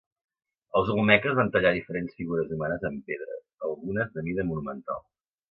Els olmeques van tallar diferents figures humanes en pedra, algunes de mida monumental.